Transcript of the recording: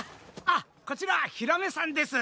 あっこちらヒラメさんです。